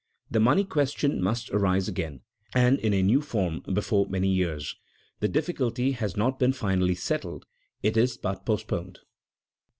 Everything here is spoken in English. The money question must arise again and in a new form before many years. The difficulty has not been finally settled; it is but postponed.